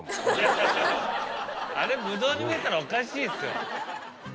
あれブドウに見えたらおかしいですよ。